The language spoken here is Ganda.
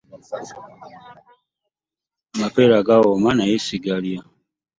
Amapeera gawooma naye sigalya.